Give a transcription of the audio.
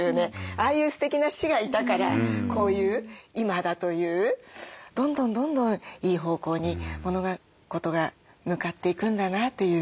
ああいうすてきな師がいたからこういう今だというどんどんどんどんいい方向に物事が向かっていくんだなという。